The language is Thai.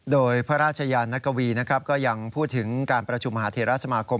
โดยพระราชยานกวีนะครับก็ยังพูดถึงการประชุมมหาเทราสมาคม